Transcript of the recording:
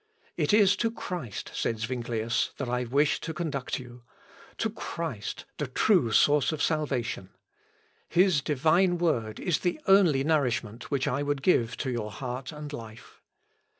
"It is to Christ," said Zuinglius, "that I wish to conduct you; to Christ, the true source of salvation. His divine word is the only nourishment which I would give to your heart and life."